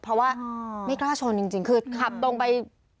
เพราะว่าไม่กล้าชนจริงคือขับตรงไป